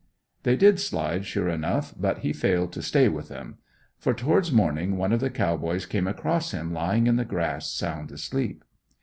They did slide sure enough, but he failed to "stay with 'em." For towards morning one of the boys came across him lying in the grass sound asleep.